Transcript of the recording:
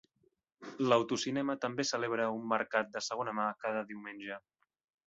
L'autocinema també celebra un mercat de segona mà cada diumenge.